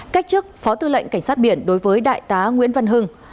cách chức phó tư lệnh cảnh sát biển đối với đại tá nguyễn văn hưng